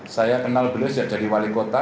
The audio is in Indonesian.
saya kenal beliau sejak jadi wali kota